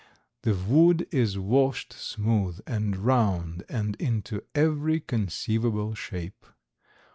The wood is washed smooth and round and into every conceivable shape.